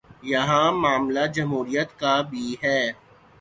یہی معاملہ جمہوریت کا بھی ہے۔